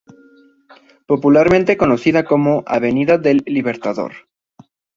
Popularmente conocida como Avenida del Libertador.